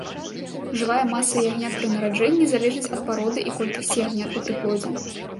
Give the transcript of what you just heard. Жывая маса ягнят пры нараджэнні залежыць ад пароды і колькасці ягнят у прыплодзе.